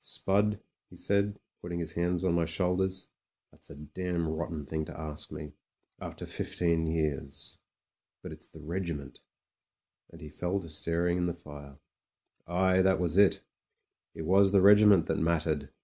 "Spud," he said, putting his hands on my shoulders, "that's a damn rotten thing to ask me — rafter fifteen years. But it's the regiment" And he fell to staring at the fire. Aye, that was it It was the regiment that mattered.